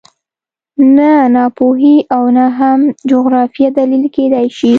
نه ناپوهي او نه هم جغرافیه دلیل کېدای شي